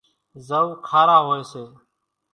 زوَ کارا هوئيَ سي۔